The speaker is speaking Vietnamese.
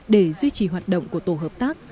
để duy trì hoạt động của tổ hợp tác